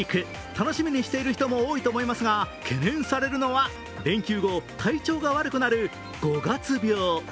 楽しみにしている人も多いと思いますが、懸念されるのは、連休後、体調が悪くなる五月病。